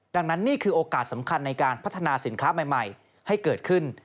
ดังนั้นนี่คือโอกาสสำคัญในการพัฒนาสินค้าใหม่ให้เกิดขึ้น